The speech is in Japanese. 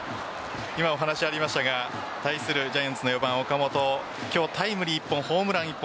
今お話がありましたが対するジャイアンツの４番岡本、今日タイムリー１本ホームラン１本。